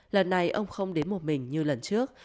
lần này ông không đến một mình như lần trước